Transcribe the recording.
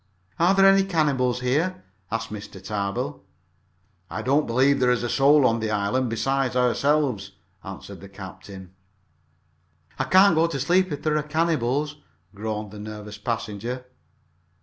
"Are there any cannibals here?" asked Mr. Tarbill. "I don't believe there is a soul on the island besides ourselves," answered the captain. "I can't go to sleep if there are cannibals," groaned the nervous passenger.